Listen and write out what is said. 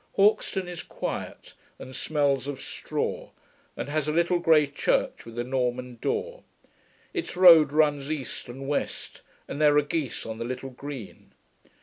Hauxton is quiet, and smells of straw, and has a little grey church with a Norman door. Its road runs east and west, and there are geese on the little green.